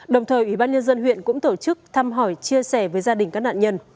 đồng thời ủy ban nhân dân huyện cũng tổ chức thăm hỏi chia sẻ với gia đình các nạn nhân